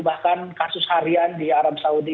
bahkan kasus harian di arab saudi